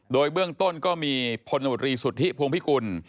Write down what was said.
โดยเบื้องต้นก็มีพรรีสุธิพพคุณ